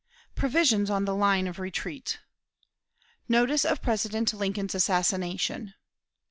Provisions on the Line of Retreat. Notice of President Lincoln's Assassination.